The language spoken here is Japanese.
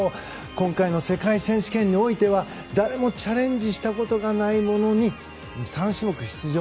今回の世界選手権においては誰もチャレンジしたことがないものに３種目出場。